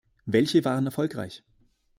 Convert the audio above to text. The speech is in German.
Welche waren erfolgreich?